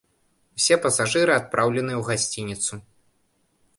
Усе пасажыры адпраўленыя ў гасцініцу.